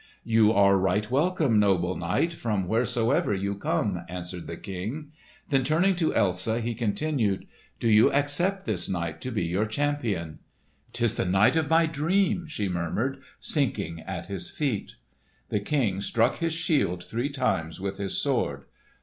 "You are right welcome, noble knight, from wheresoever you come," answered the King. Then turning to Elsa, he continued, "Do you accept this knight to be your champion?" "'Tis the knight of my dream!" she murmured, sinking at his feet. The King struck his shield three times with his sword.